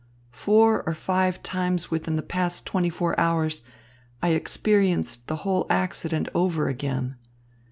Four or five times within the past twenty four hours, I experienced the whole accident over again.